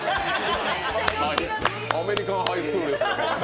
アメリカン・ハイスクールですよ